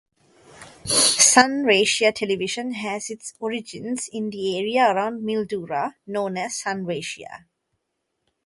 Sunraysia Television has its origins in the area around Mildura, known as Sunraysia.